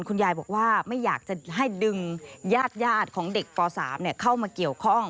คุณยายบอกว่าไม่อยากจะให้ดึงญาติของเด็กป๓เข้ามาเกี่ยวข้อง